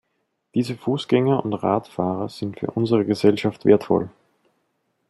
Diese Fußgänger und Radfahrer sind für unsere Gesellschaft wertvoll.